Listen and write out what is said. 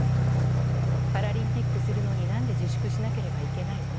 パラリンピックするのに何で自粛しなければいけないの？